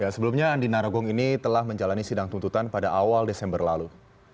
sebelumnya andi narogong ini telah menjalani sidang tuntutan pada awal desember lalu